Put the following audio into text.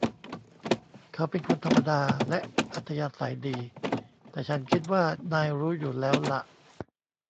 เขาเป็นคนธรรมดาและอัธยาศัยดี แต่ฉันคิดว่านายรู้อยู่แล้วล่ะ